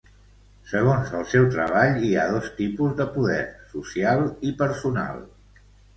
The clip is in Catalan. Segons el seu treball hi ha dos tipus de poder, "social" i "personal".